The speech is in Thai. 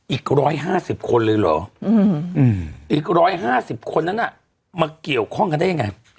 อีก๑๕๐คนเลยเหรออีก๑๕๐คนนั้นมาเกี่ยวข้องกันได้ยังไง